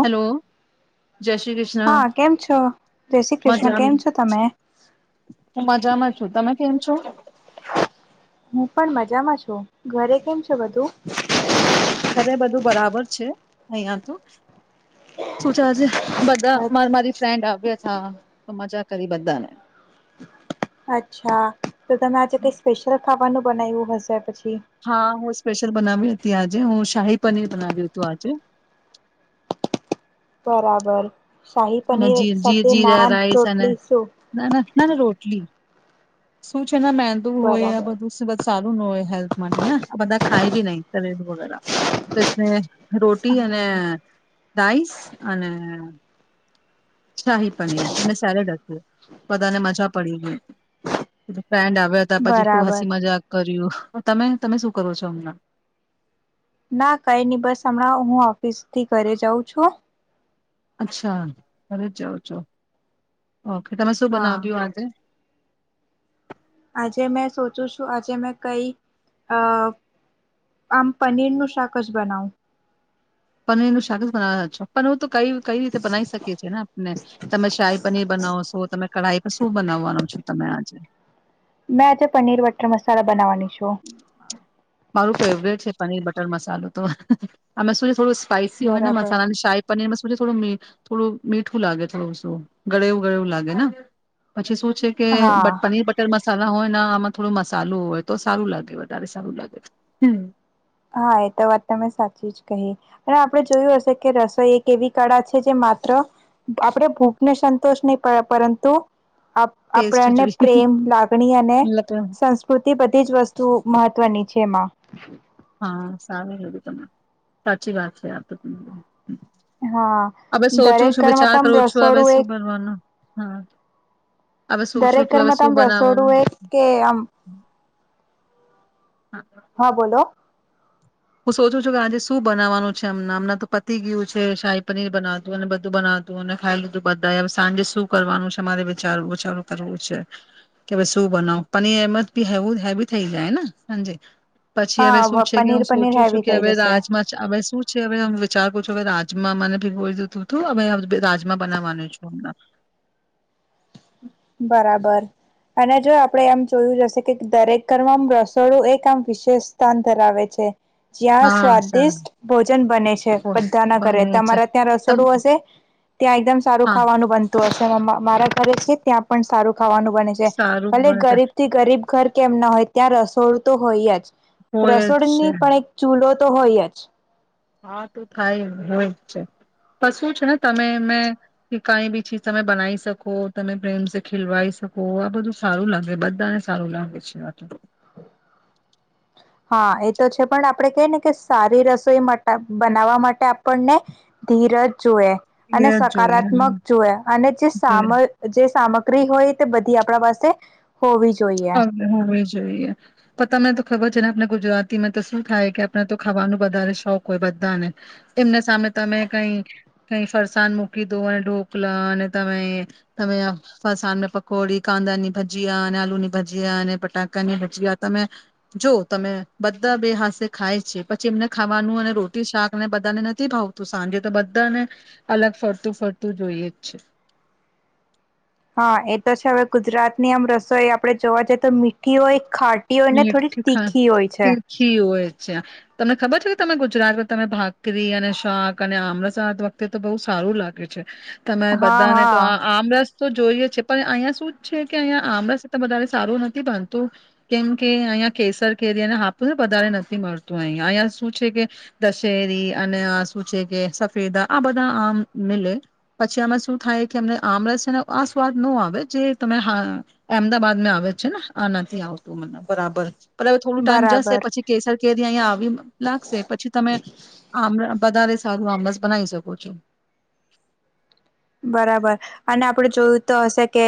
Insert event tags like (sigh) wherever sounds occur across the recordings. Hello. જય શ્રી કૃષ્ણ, હા કેમ છો જય શ્રી કૃષ્ણ મજામાં કેમ છો તમે હું મજામાં છું તમે કેમ શું? હું પણ મજામાં છું, ઘરે કેમ છ બધું? ઘરે બધું બરાબર છે, અહિયાં ત, શું છે આજે? બધા માર મારી ફ્રેન્ડ આવ્યા હા તો મજા કરી બધાને. અચ્છા, તો તમે આજ કઈ સ્પલ ખાવાનું બનાવું હશેાય પછી. હા હું સ્પેશલ બનાવી હતી. ત્યા આજે હું શાહી પનીર બનાવી તું આજે. બરાબર. શાહી અને પનીર જ સાથે જરા નાન રાઈસ અને, રોટલી શું ના ના ના ના રોટલી. સું ના મંદુ હોય બરાબર બધું. સારું ન હોય હેલ્થ માટે ને આ બધા ખાય બી નહિ તેજ ને. રોટી અને હા રાઇસ અને. શાહી પણ અને સેલેડ હત બધાને મજા પડી ગઈ ફ્રેન્ડ આવ વે તા પછી ખુબ બરાબર હસી મજાક કર્યું તમે તમે શું કરો છો? હમણાં. ના કઈ નહી બસ હમણાં હું ઓફિસ થી ઘરે જાઉં છું. અચ્છા ઘરે ચ જાવો છો. ઓકે તમે શું હા બનાવ્યું આજે? આજે મેં સોચું છું આજે મેં કઈ અ આમ પનીર નું શાક જ બનાવું. પનીર ન શાકસ બનાવાના છે પર તો કઈ કઈ રીતે બનાવી શકીએ ને આપને તમે શાહી પનીર બનાવશો તમે કળાઈ પર શું બનાવવાનો છો તમે આજે? મેં આજે પનીર વટર મસાલા બનાવાની મારું ફેવરેટ છે પનીર બટ ટર મસાલો તો અમા શું ને થોડું સ્પાઈસી હોય ને બરાબર મસલાની શાહી પનીરમાં સુ છે થોડુ મીટ થોડું મીઠું લાગે થોડું શું ગળેવું ગળેવું લાગે ને પછી શું છે કે હા પનીર બ બટર મસા સાલા હોય ને આમાં થો મસાલું હોય તો સારું લાગે વધારે સારું લાગે. હા એ તો વાત તમે સાચી જ કહી અને આપણે જોયું હશે કે રસોઈ એક એવી કળા છે જે માત્ર આપણે ભૂખને સંતોષ નહી પડે પરંતુ ટેસ્ટ આપ-આપણને જોઈએ. પ્રેમ લાગણી અને સંસ્કૃતિ બધ તેજ વસ્તુ મહત્વની છે એમાં. હા શામિલ હોલી તમે, સાચી વાત છે તો તમારી. હા, હવે સોચું દરેક છું ઘરમાં વિચાર તો આમ કરું છું હવે રસોડું શું એક કરવાનું હા. હવે સોચું દરેક છું હવે ઘરમાં તો શું આમ બનાવવાનું. રસોડું એ કે આમ હા બોલો. હું સોચું છું કે આજે શું બનાવવાનું છે અમના, અમના તો પતી ગયું છે. શાહી પનીર બનાવતું અને બધું બનાવતું અને ખાઈ લીધું બધા એ. હવે સાંજે શું કરવાનું છે મારે વિચારવું વિચારું કરવું છે. કે હવે શું બનાવું. પનીર એમ જ બી હેવું હેવી થઈ જાય ને હાંજે. પછી હવે શું હા છે કે પનીર હું શું પનીર શું હેવી શું કે થઈ હવે જશે રાજમાં ચાવલ શું છે હવે આમ વિચારવું છું હવે રાજમા મને ભિગોયુ તું તું હવે રાજમા બનાવવાનું છે હમના. બરાબર. અને જો આપણેે એમ જોયું જશે કે દરેક ઘરમાં રસોડું એક આમ વિશેષ સ્થાન ધરાવે છે. જ્યાં હા સર સ્વાદિષ્ટ ભોજન બને છે, કોણ બધાના ઘરે. બને છે તમારા ત્યાં તમ રસોડું હશે, ત્યાં એકદમ સારું હા ખાવાનું બન તો તેમાં મા-મારા ઘરે છે ત્યાં પણ સારું ખાવાનું બને છે. સારું ભલે બને છે ગરીબથી ગરીબ ઘર કેમ ના હોય ત્યાં રસોડું તો હોય જ. હોય જ છે રસોડની પણ એક ચૂલો તો હોય જ. હા તો થાય, હોય જ છે, પણ શું છે ને તમેં એમે કે કાઈ બી ચીજ તમે બનાવી શકો, તમે પ્રેમ સે ખીલવાઈ શકો આ બધું સારું લાગે બધાને સારું લાગે છે આ તો. હા એ તો છે પણ આપણે કે ને કે સારી રસોઈ માટા બનાવવા માટે આપણને ધીરજ જોઈએ એ અને જ જોઈએ સકારાત્મક જોઈએ, અને જે જોઈએ સામ જે સામ ગ્રી હોય તો બધી આપણા પાસે હોવી જોઈએ ઓકે હોવી જોઈએ, પણ તમે તો ખબર છે ને આપણે ગુજરાતીમાં તો શું થાય કે આપણે તો ખાવાનું વધારે શોખ હોય બધાને, એમને સામે તમે કાઈ કાઈ ફરસાણ મૂકી દો અને ઢોકલા અને તમે તમે ફરસાણમાં પકોડી, કાંદાની ભજીયા અને આલુની ભજીયા અને બટાકાની ભજીયા તમે જો તમે બધા બે હાથ સે ખાય છે પછી એમને ખાવાનું અને રોટી શાકને બધાને નથી ભાવતું સાંજે તો બધાને અલગ ફરતું ફરતું જોઈએ જ છે. હા એ તો છે હવે ગુજરાતની આમ રસોઈ આપડે જોવા જઈએ તો મીઠી હોય. ખાટી હોય ને થોડી મીઠી ખા તીખી હોય છે. તીખી હોય છે, તમને ખબર છે કે તમે ગુજરાતમાં તમે ભાકરી અને શાક અને આમળસાદ વખતે તો બહુ સારું લાગે છે. તમે હા બધાને તો હા આ આમરસ તો જોઈએ છે પણ અહિંયા શું જ છે કે અહિયા આમરસ વધારે સારું નથી ભનતું. કેમ કે અહીંયા કેસર કેરી અને હાપુ વધારે નથી મળતું અહીંયા. અહીંયા શું છે કે દશેરી અને શું છે કે સફેદા આ બધા આમ મિલે, પછી આમાં શું થાય કે અમને આમરસ ને આ સ્વાદ નો આવે જે તમે હા અમદાબાદમાં આવે છે ને આ નથી આવ (unintelligible) બરાબર. પર હવે થોડું ટાઈમ જશે બરાબર પછી કેસર કે દ અયા આવ વીમ લાગશે પછી તમે આમ વધારે સારુ આમસ બનાઈ શકો છો. બરાબર, અને આપણે જોયું તો હશે કે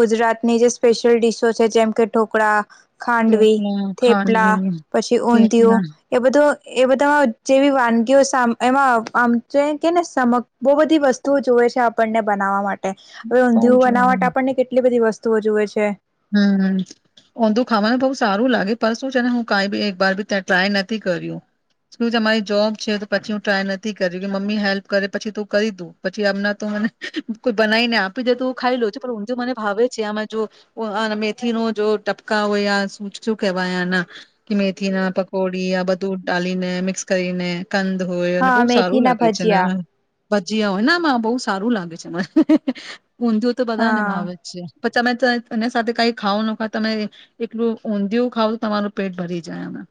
ગુજરાતની જે સ્પેશિયલ ડીશો છે જેમ કે ઢોકળા ખાંડવી, થેપલા થેપલા ખાંડવી પછી થેપલા ઊંધિયું એ બધું એ બધામાં જેવી વાનગીઓ સામ એમાં આમ જે કેને સમ બહુ બધી વસ્ત તું જોએ છે આપણને બનાવવા મા ટે બઉ ઊંધિય જ બનાવટ આપણને કેટલી બધી વસ્ સ્તુ જુએ છે. હમ્મ હમ્મ ઊંધું ખાવાનું બહુ સારું લાગે પણ શું છે ને હું કઈ બી એકર બી ત્યાં ટ્રાય નથી કર્યું સુ છે મારી જોબ છે પછી હું ટ્રાય નથી કરિ કે મમ્મી હેલ્પ કરે પછી તું કઈ દું પછી અમના તો મને કોઈ બનાવીને આપી દે તો ખાઈ લઉ છ પણ ઊંધું મને ભાવે છે આ જો ઓ અને મેથી ન જો ટપકા હોય આ શ શું કેવાય એન કે મેથી ના પકોડી આ બધું ડાલી ને મિક્સ કરીને કંદ હોય અને હા બહુ સારું મેથી ના લાગે છે ને. ભજીયા ભજીયા હોયને આમાં બહુ સારું લાગે છે મને. ઊંધિું તો બધા ને હા ભાવે જ છે. પર તમે તજ એને સાથે કઈ ખાવું ન ખાય તમે એકલું ઊંધિયું ખાવ તમારું પેટ ભરી જાય અમે.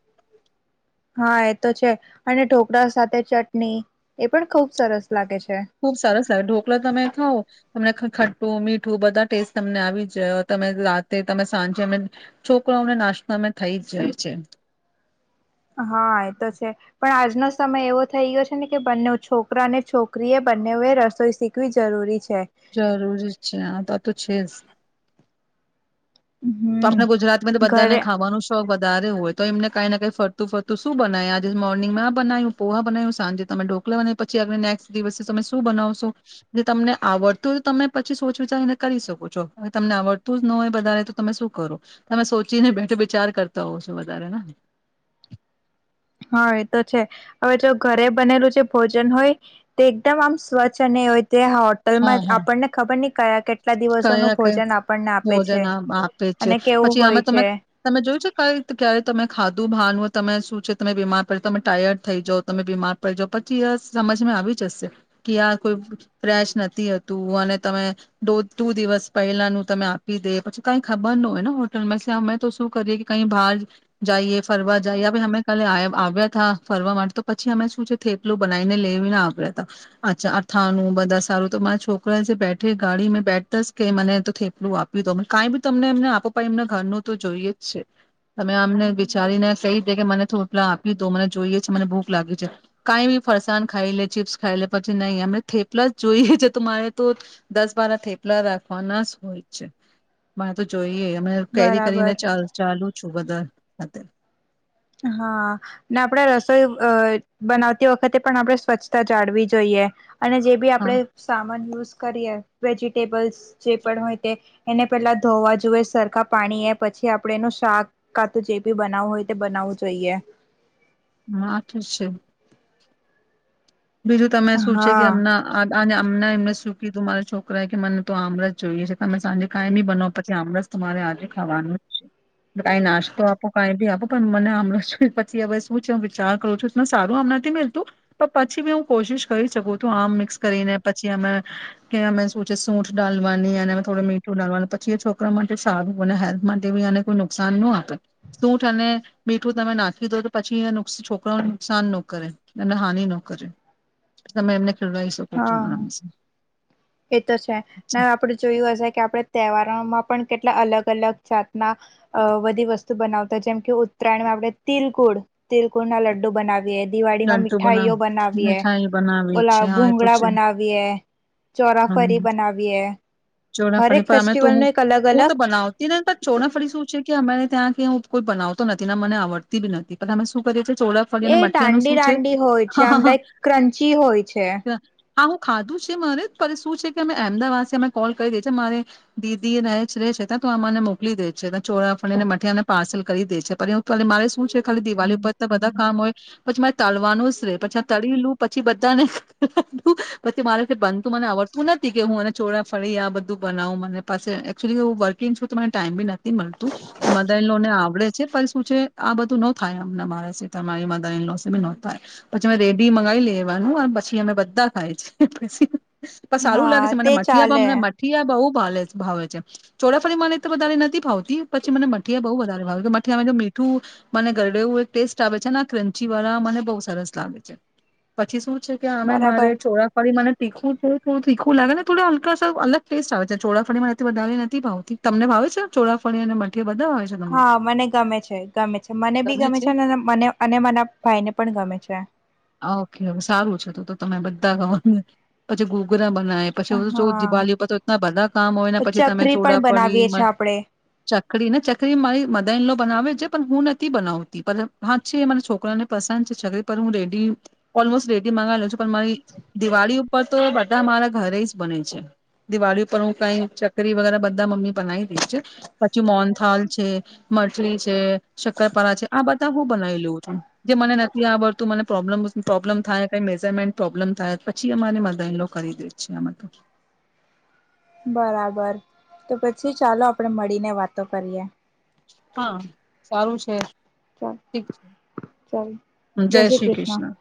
હા એ તો છે અને ઢોકળા સાથે ચટણી એ પણ ખુબ સરસ. લાગે છે ખુબ સરસ લાવે ઢોકળા તમે ખાવ તમને ખ-ખટું મીઠું બધા ટેસ્ટ તમને આવી જ તમે રાતે તમે સાંજે અમે છોકરાઓને નાસ્તો અમે થઈ જ જાય છે. હા એ તો છે પણ આજનો સમય એવો થઈ ગયો છે ને કે બંને છોકરા અને છોકરી એ બંનેએ રસોઈ શીખવી જરૂરી છે જરૂરી છે. આતો તો છેજ. તો હમ આપણા ગુજરાત તો બધાને ઘરે ખાવાનો શોખ વધ ધારે હોય તો એમને કાઈને કંઈ ફરતું ફરતું શું બનાય આજે મોર્નિંગમાં આ બનાયું પોહા બનાયું સાંજે તમે ઢોકલે બનાઈ પછી હવે નેક્સ્ટ દિવસે તમે બનાવશો જે તમને આવડતું હોય તો તમે પછી સોચ વિચારીને કરી શકો છો. હવે તમને આવડતું જ ન હોય વધારે તો તમે શું કરો. તમે સોચીને બેઠે વિચાર કરતા હો છો વધારે ને? હા એ તો છે હવે જો ઘરે બનેલું જે ભોજન હોય તે એકદમ આમ સ્વચ્છ અને હોય તે હોટલ હા માંએ હા આપણને ખબર નહીં કયા કયા આપે ભોજન છે આમ આપે છે. અને કેવું પછી હોય આમાં તમે છે તમે જોયું છે કઈ રી ક્યારે તમે ખાધું ભાન હો તમેજ શું છે તમે બીમાર પડે તમે ટાયર્ડ થઈ જાવ, તમે બીમાર પડી જાવ પછી એ સમજમાં આવી જશે કે આ કોઈ ફેશ નથી હતું અને તમે દો દુ દિવસ પહેલાનું તમે આપી દે પછી કઈ ખબર નો હોય ને હોટલમાં ઇસ્લિયે અમે તો શું કરીએ કે કઈ બહાર જઈએ ફરવા જઈએ અમે કાલે આય આવ્યા થા ફરવા માટે તો પછી અમે શું છે થેપલું બનાવીને લઈને આવ્યા તા. અચ્છા અથાણું બધા સારું તો મારા છોકરા જે બેઠે ગાડી મેં બેઠતાસ કે મને તો થેપલું આપી દો. કાંઈ બી તમે એમને આપો પાઈ એમને ઘરનું તો જોઈએ જ છે. તમે આમને વિચારીને કઈ દે કે મને થોપલા આપી દો મને જોઈએ છે મને ભૂખ લાગી છે કાંઈ બી ફરસાણ ખાઈ લે ચીપ્સ ખાઈ લે પછી નહીં અમને થેપલા જ જોઈએ છે તો મારે તો દસ બારા થેપલા રાખવાના જ હોય છે. મા તો જોય એ મારે કેરી કરીને બરાબર ચલ-ચાલુ શું બધા હતા. હા ને આપણે રસોઈ અહ બનાવતી વખતે પણ આપણે સ્વચ્છતા જાળવી જોઈએ. અને જે બી હા આપડે સામાન યુઝ કરીએ વેજીિટેબલસ જે પણ હોય તે એને પેલાં ધોવા જોએ સરખા પાણી એ પછી આપડે એનું શાક કાતું જે બી બનાવું હોય બનાવવું જોઈએ. હા આ તો છે. બીજું તમે શું છે કે હા એમના (unintelligible) આને એમના એમને શું કીધું મારા છોકરાએ કે મને તો આમરસ જોઈએ છે તમે સાંજે કાઈ બી બનાવો પછી આમરસ તો મારે આજે ખાવાનું છે, પણ કાઈ નાસ્તો આપો કાઈ બી આપો પણ મને આમરસ જોઈ પછી હવે શું છે હું વિચાર કરું છું (unintelligible) સારું આમ નથી મેલતું, પ પછી બી હું કોશિશ કરી શકું તું આમ મિક્સ કરીને પછી અમે કે અમે શું છે સૂઠ ડાલવાની અને હવે થોડુ મીઠું ડાલવાનું, પછી એ છોકરા માટે સારું અને હેલ્થ માટે બી એને કોઈ નુકસાન ન આપે. સૂઠ અને મીઠું તમે નાખી દો તો પછી એ નુસ છોકરાઓને નુકસાન ન કરે, અને હાનિ નો કરે. તમે એમને ખવરાઈ શકો છો હા આરામ સે. એ તો છે, ને આપડે જોયું હશે કે આપણે તહેવારોમાં પણ કેટલા અલગ-અલગ જાતના અહ બધી વસ્તુ બનાવતા જેમ કે ઉત્તરાયણમાં આપણે તિલકુળ, તિલકુળ ના લડ્ડુ બનાવીએ. દિવાળી માં લડ્ડુ બનાવ મીઠાઈઓ બનાવીએ, મીઠાઈ બનાવીએ ઓલા છે હા એ તો ભૂગળા છે બનાવીએ. ચોરાફરી હમ બનાવીએ. હરેક ચોરાફળી પર અમે તો ફેસ્ટિવલ નું હું એક અલગ હું અલગ તો બનાવતી નથ પણ ચોરાફળી શું છે કે અમારે ત્યાં ક્યો કોઈ બનાવતું નથી ને મને આવડતી બી નથી, પણઅમે શું કરીએ છે ચોળાફરીને મટ મઠિયાનું રાંડી શું રાંડી હોય છે, આમ લાઈક ક્રંચી હોય છે. હા, હું ખાધું છે મારે, પણ શું છે કે અમે એહમદાવાદ સે અમે કોલ કરીએ છે, મારે દીદી રહે રે છે, તો એ અમને મોકલી દે છે ને ચોરાફળીને મઠિયાના પાર્સલ કરી દે છે, (unintelligible) મારે શું છે ખાલી દિવાલી પરતા બધા કામ હોય પછી માર તલવાનું સ રે, પછી આ તલી લું પછી બધાને, પછી મારેથી બનતું મને આવડતું નથી કે હું એને ચોરાફળી આ બધું બનાવું મને પાસે, એક્ચુલી હું વર્કિંગ છું, તો મને ટાઈમ બી નથી મલતું, મધર ઈન લો ને આવડે છે પલ શું છે, આ બધું ન થાય અમના મારા સી (unintelligible) ઈન્લો છે ને નો તા, પછી અવે રેડી મંગાઈ લેવાનું, અ વ પછી અમે બધા ખાય છી. પર સારું લાગે હા છે, મને તે મઠીયા ચાલે ભમને મઠીયા બઉ (unintelligible) ભાવે છે, ચોળાફળી મને તો વધારે નથી ભાવતી, પછી મને મઠીયા બઉ વધારે ભાવે, મઠીયામાં જો મીઠું મને ગરડે એવું એક ટેસ્ટ આવે છેના (unintelligible) પછી વરા મને બઉ સરસ લાગે છે, પછી શું છે કે આમે બરાબર મારે ચોરાફરી મને તીખું તો થડું તીખું લાગે ને થોડા હલકા સા અલગ ટેસ્ટ આવે છે, ચોળાફળી મારાથી વધારે નથી ભાવતી, તમને ભાવે છે ચોળાફળી અને મઠ હા, મને ગમે છે, ગમે છે મને બી ગમે છે અને મને અન ને માના ભાઈને પણ ગમે છે. આ ઓકે હવે સારું છે તો તો મેં બધા ગંવા પછી ગુગરા બ નાઈ પછી (unintelligible) હા દિવાલી ઉપર તો એટલા બધા કામ હોય ને પછી તમે ચકરી પણ ચોડાપડી બનાવીએ છે માં, આપણે ચકરી ને ચકરી મારી મદાઈનલો બનાવે છે, પન હું નથી બનાવતી (unintelligible) હાં છે મન છોકરાને પસંદ છે છકરી, પર હું રેડી ઓલમોસ્ટ રેડી મંગાય લઉ છું, પણ મારી દિવાલી ઉપર તો બધા મારા ઘરે જ બને છે, દિવાલી ઉપર ઉં કાંઈ ચકરી વગેરા બધા મમ્મી બનાઈ દે છે, પછી મોનથાલ છે, મઠલી છે, શક્કરપારા છે, આ બધા હું બનાવી લઉં જે મને નથી આવડતું, મને પ્રોબ્લેમ પ્રોબ્લમ થાય કંઈ મેઝરમેન્ટ પ્રોબ્લેમ થાય, પછી અમારી મદાઇલો કરી દે છે આમાં તો. બરાબર, તો પછી ચાલો આપણેે મળીને વાતો કરીએ. હાં, સારું છે. ચાલ ચાલ જય શ્રી ક્રિષ્ણ.